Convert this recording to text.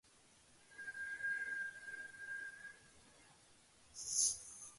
His studio is located in Maaseik in the Belgian province of Limburg.